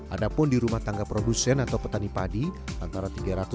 ada pun di rumah tangga produsen atau petani padi antara tiga ratus